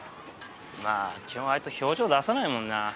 まあ基本あいつ表情出さないもんな。